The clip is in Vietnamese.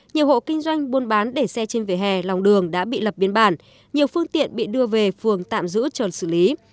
nhiều hộ kinh doanh buôn bán để xe trên vỉa hè lòng đường đã bị lập biên bản nhiều phương tiện bị đưa về phường tạm giữ chờ xử lý